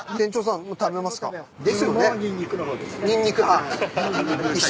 ニンニク派。